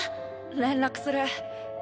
連絡する。